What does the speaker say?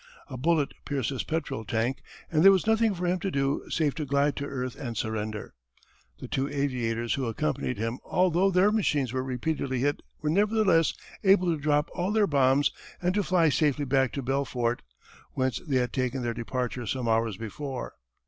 A bullet pierced his petrol tank and there was nothing for him to do save to glide to earth and surrender. The two aviators who accompanied him although their machines were repeatedly hit were nevertheless able to drop all their bombs and to fly safely back to Belfort whence they had taken their departure some hours before.